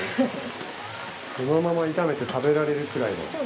そのまま炒めて食べられるくらいの。